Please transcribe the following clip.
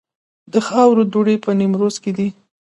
د خاورو دوړې په نیمروز کې دي